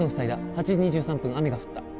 ８時２３分雨が降った